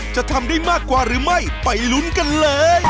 จะทำได้มากกว่าหรือไม่ไปลุ้นกันเลย